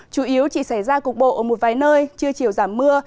chủ yếu chỉ xảy ra cục bộ ở một vài nơi chưa chiều giảm mưa